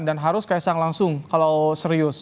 dan harus ksang langsung kalau serius